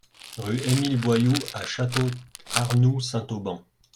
Rue Émile Boyoud à Château-Arnoux-Saint-Auban